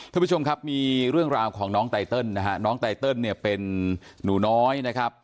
ท่านผู้ชมครับมีเรื่องราวของน้องไตเติลนะฮะน้องไตเติลเนี่ยเป็นหนูน้อยนะครับ